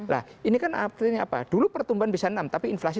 nah ini kan artinya apa dulu pertumbuhan bisa enam tapi inflasi